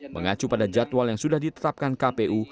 mengacu pada jadwal yang sudah ditetapkan kpu